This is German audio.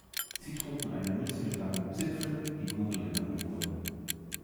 Sie trugen eine Mütze mit langem Zipfel, die „Gugel“ genannt wurde.